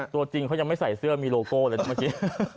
ตัวจริงเขายังไม่ใส่เสื้อมีโลโก้เลยนะเมื่อกี้